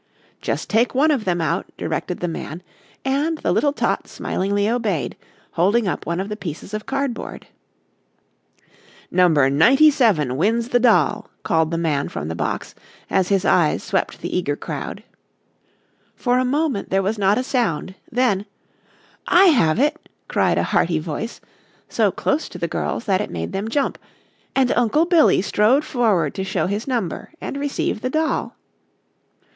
"Just take one of them out," directed the man and the little tot smilingly obeyed, holding up one of the pieces of cardboard. "Number 97 wins the doll," called the man from the box, as his eyes swept the eager crowd. For a moment there was not a sound, then, "I have it," cried a hearty voice, so close to the girls that it made them jump, and Uncle Billy strode forward to show his number and receive the doll.